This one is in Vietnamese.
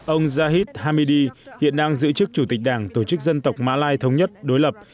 ông jahid hamidi hiện đang giữ chức chủ tịch đảng tổ chức dân tộc mã lai thống nhất đối lập